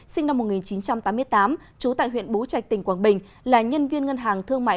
sinh năm một nghìn chín trăm tám mươi tám trú tại huyện bố trạch tỉnh quảng bình là nhân viên ngân hàng thương mại